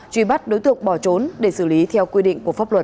truy bắt đối tượng bỏ trốn để xử lý theo quy định của pháp luật